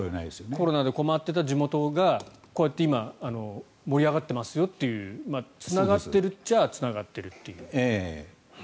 コロナで困っていた地元がこうやって盛り上がっていますよとつながっているっちゃつながってるという。